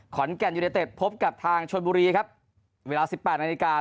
ขอนแก่นยูเนเต็ดพบกับทางชนบุรีครับเวลาสิบแปดนาฬิกา